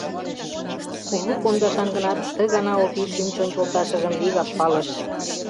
Кужу пондашан гынат, ты гана Овий шӱм-чон йолташыжым вигак палыш.